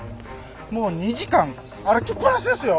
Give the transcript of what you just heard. もう２時間歩きっぱなしですよ！